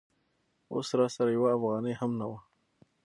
اوس راسره یوه افغانۍ هم نه وه.